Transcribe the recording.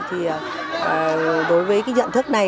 thì đối với cái nhận thức này